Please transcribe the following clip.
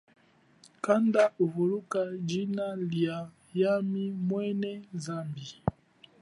Kanda uvuluka jina lia yami mwene zambi.